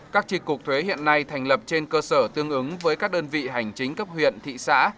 các tri cục thuế hiện nay thành lập trên cơ sở tương ứng với các đơn vị hành chính cấp huyện thị xã